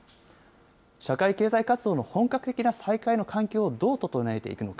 社会経済活動の本格的な再開の環境をどう整えていくのか。